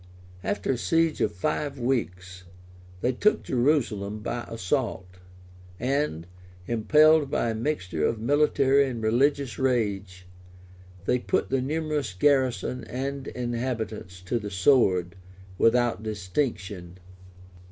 After a siege of five weeks, they took Jerusalem by assault; and, impelled by a mixture of military and religious rage, they put the numerous garrison and inhabitants to the sword, without distinction.